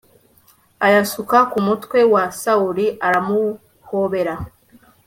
ayasuka ku mutwe wa sawuli, aramuhobera